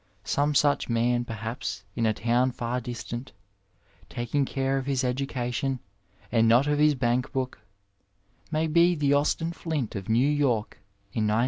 Some such man, perhaps, in a town far distant, taking care of his education, and not of his bank book, may be the Austin Flint of New York in 1930.